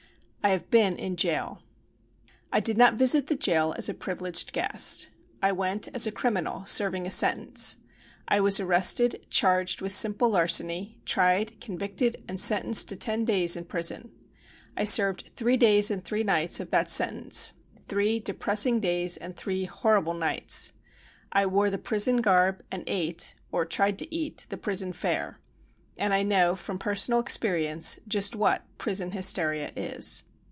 I have been in jail. I did not visit the jail as a privileged guest. I went as a criminal, serving a sentence. I was arrested, charged with simple larceny, tried, con victed and sentenced to ten days in prison. I served three days and three nights of that sentence — three depressing days and three horrible nights. I wore the prison garb and ate — or tried to eat — the prison fare. And I know, from personal ex perience, just what "prison hysteria" is.